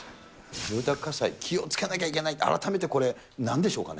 住宅火災、気をつけなきゃいけない、改めてこれ、なんでしょうかね。